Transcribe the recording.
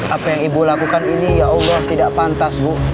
apa yang ibu lakukan ini ya allah tidak pantas bu